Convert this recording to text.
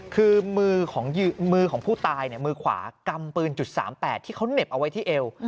คือมือของผู้ตายมือขวากำปืน๓๘ที่เขาเหน็บเอาไว้ที่เอว